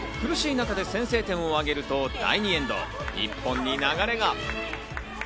苦しい中で先制点を挙げると第２エンド、日本に流れが。